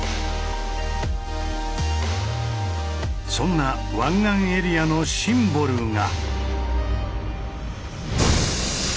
そんな湾岸エリアのシンボルが。